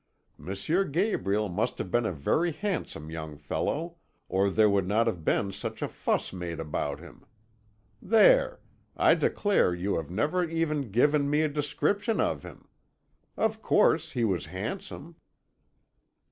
M. Gabriel must have been a very handsome young fellow, or there would not have been such a fuss made about him. There! I declare you have never even given me a description of him. Of course he was handsome."